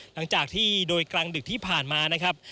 หลังจากที่โดยกลางดึกที่ผ่านมานะครับ